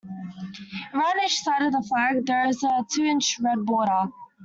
Around each side of the flag, there is a two-inch red border.